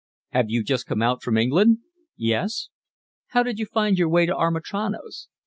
"Have you just come out from England?" "Yes." "How did you find your way to Amitrano's?"